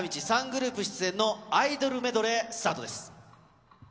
３グループ出演のアイドルメドレー、スタートです。